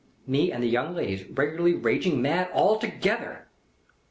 Me and the young ladies regularly raging mad all together.